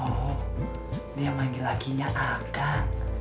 oh dia yang manggil lakinya akang